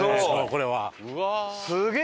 これは。